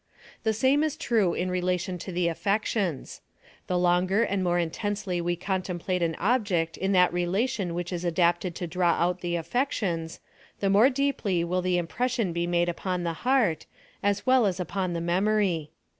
The same is true in relation to the affections. The longer and more intensely we contemplate an object in that relation which is adapted to draw out the affections, the more deeply will the impression be made upon the heart, as well as upon the memory.